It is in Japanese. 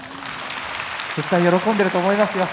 絶対に喜んでると思いますよ。